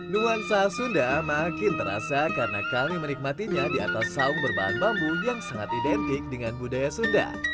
nuansa sunda makin terasa karena kami menikmatinya di atas saung berbahan bambu yang sangat identik dengan budaya sunda